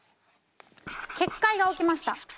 決壊が起きました。